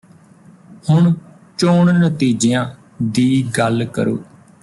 ਹੁਣ ਚੋਣ ਨਤੀਜਿਆਂ ਦੀ ਗੱਲ ਕਰੋ